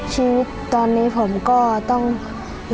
ชีวิตตอนนี้ผมก็ต้อง